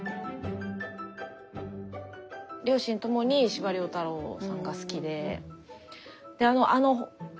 両親ともに司馬遼太郎さんが好きで。